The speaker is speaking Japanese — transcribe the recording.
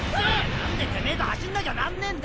何でてめえと走んなきゃなんねえんだ！